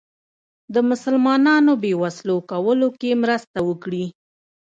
د مسلمانانو بې وسلو کولو کې مرسته وکړي.